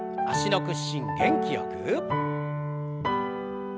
脚の屈伸元気よく。